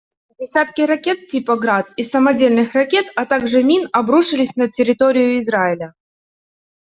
Десятки ракет типа «Град» и самодельных ракет, а также мин обрушились на территорию Израиля.